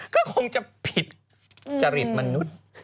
ก็คงจะผิดจริตมนุษย์